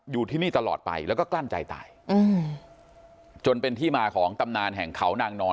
อยู่ที่นี่ตลอดไปแล้วก็กลั้นใจตายอืมจนเป็นที่มาของตำนานแห่งเขานางนอน